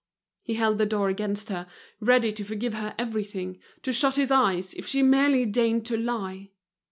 He held the door against her, ready to forgive her everything, to shut his eyes, if she merely deigned to lie.